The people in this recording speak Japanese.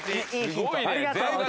すごいね。